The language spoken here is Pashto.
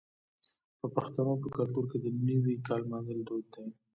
د پښتنو په کلتور کې د نوي کال لمانځل دود دی.